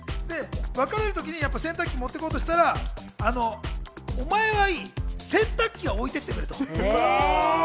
別れる時に洗濯機持っていこうとしたら、お前はいい、洗濯機は置いてってくれと。